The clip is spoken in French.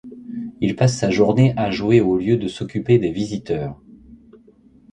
Il passe sa journée à jouer au lieu de s'occuper des visiteurs.